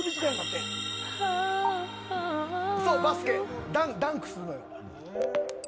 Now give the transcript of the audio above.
バスケ、ダンクすんのよ。